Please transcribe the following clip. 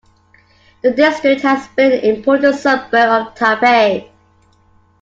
The district has been an important suburb of Taipei.